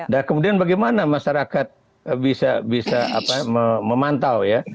dan kemudian bagaimana masyarakat bisa memantau ya